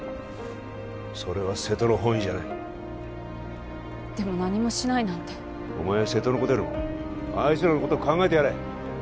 それは瀬戸の本意じゃないでも何もしないなんてお前は瀬戸のことよりもあいつらのこと考えてやれ！